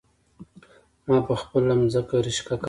ما په خپله ځمکه رشکه کرلي دي